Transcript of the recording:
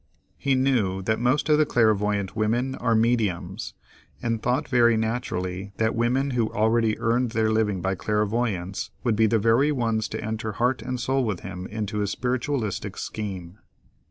He knew that most of the clairvoyant women are "mediums," and thought very naturally that women who already earned their living by clairvoyance, would be the very ones to enter heart and soul with him into his spiritualistic scheme.